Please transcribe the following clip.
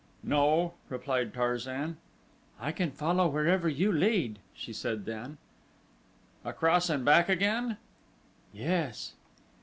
"No," replied Tarzan. "I can follow wherever you can lead," she said then. "Across and back again?" "Yes."